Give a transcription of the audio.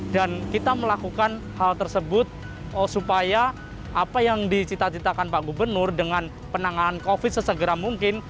dan kita melakukan hal tersebut supaya apa yang dicita citakan pak gubernur dengan penanganan covid sembilan belas sesegera mungkin